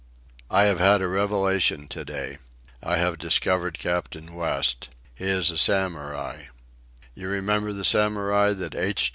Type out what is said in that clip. I have had a revelation to day. I have discovered Captain West. He is a Samurai.—You remember the Samurai that H.